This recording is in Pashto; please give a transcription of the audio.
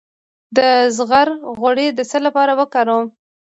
د زغر غوړي د څه لپاره وکاروم؟